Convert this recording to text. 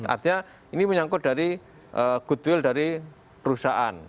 artinya ini menyangkut dari goodwill dari perusahaan